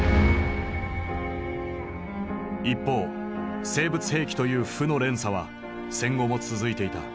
一方生物兵器という負の連鎖は戦後も続いていた。